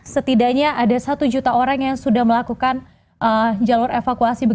setidaknya ada satu juta orang yang sudah melakukan jalur evakuasi